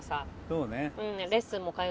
そうね。